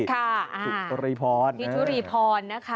ค่ะที่สุริพรนะคะ